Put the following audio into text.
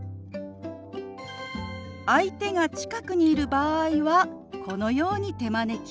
相手が近くにいる場合はこのように手招き。